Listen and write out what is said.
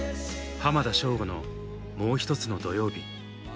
浜田省吾の「もうひとつの土曜日」。